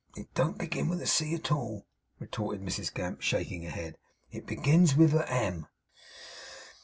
'It don't begin with a C at all,' retorted Mrs Gamp, shaking her head. 'It begins with a M.